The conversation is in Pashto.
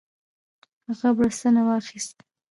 هغه بړستنه واخیست.